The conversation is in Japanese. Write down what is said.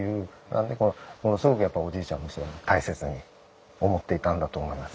なんでものすごくおじいちゃんも大切に思っていたんだと思いますね。